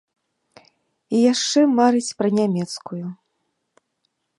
І яшчэ марыць пра нямецкую.